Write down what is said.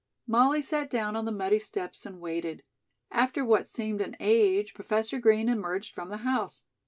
Molly sat down on the muddy steps and waited. After what seemed an age, Professor Green emerged from the house.